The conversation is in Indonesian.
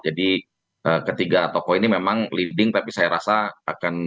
jadi ketiga tokoh ini memang leading tapi saya rasa akan mencuat kepada dua tokoh saja